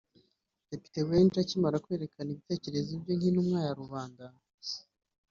Depite Wenje akimara kwerekana ibitekerezo bye nk’ intumwa ya rubanda